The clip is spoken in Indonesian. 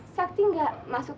sakti gak masuk